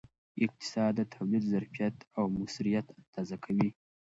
اقتصاد د تولید ظرفیت او موثریت اندازه کوي.